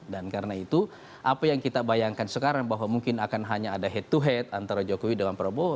dan karena itu apa yang kita bayangkan sekarang bahwa mungkin akan hanya ada head to head antara jokowi dan prabowo